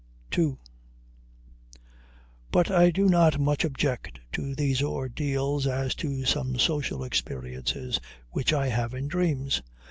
II But I do not so much object to these ordeals as to some social experiences which I have in dreams.